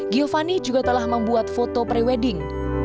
giovanni juga telah membuat foto pre wedding